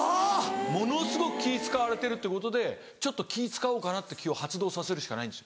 ものすごく気使われてるってことでちょっと気使おうかなって気を発動させるしかないんです。